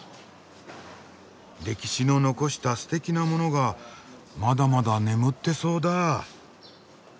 歴史の残したすてきなものがまだまだ眠ってそうだ。